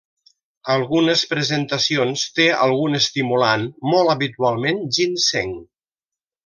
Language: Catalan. Algunes presentacions té algun estimulant, molt habitualment ginseng.